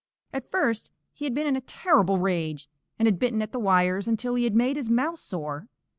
At first he had been in a terrible rage and had bitten at the wires until he had made his mouth sore.